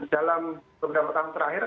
dalam beberapa tahun terakhir